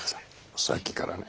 さっきからね。